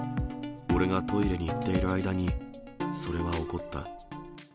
俺がトイレに行っている間に、それは起こった。